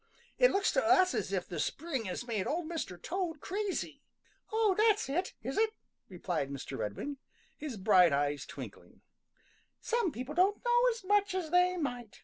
It looks to us as if the spring has made Old Mr. Toad crazy." "Oh, that's it, is it?" replied Mr. Redwing, his bright eyes twinkling. "Some people don't know as much as they might.